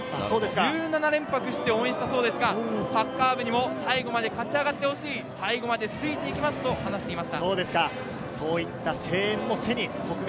１７連泊して応援したそうですが、サッカー部にも最後まで勝ち上がってほしい、最後までついて行きますと話していました。